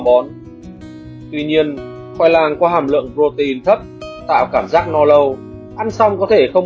món tuy nhiên khoai lang có hàm lượng protein thấp tạo cảm giác no lâu ăn xong có thể không